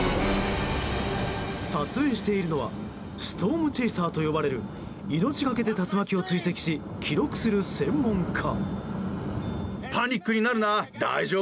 撮影しているのはストームチェイサーと呼ばれる命がけで竜巻を追跡し記録する専門家。